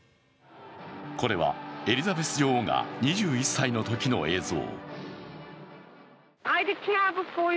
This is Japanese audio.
これは、エリザベス女王が２１歳のときの映像。